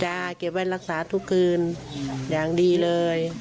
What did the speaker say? เก็บไว้รักษาทุกคืนอย่างดีเลย